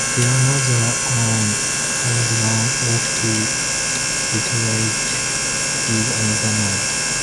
Their mother, Annie, had run off to Detroit with another man.